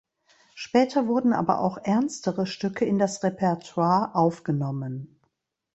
Später wurden aber auch ernstere Stücke in das Repertoire aufgenommen.